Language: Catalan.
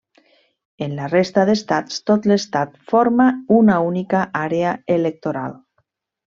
En la resta d'estats tot l'estat forma una única àrea electoral.